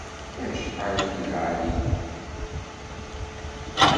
Acḥal i d lɛali-t!